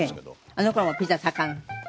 あの頃もピザ盛ん？